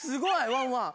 ワンワン！